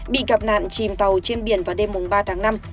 bị gặp nạn chìm tàu trên biển vào đêm ba tháng năm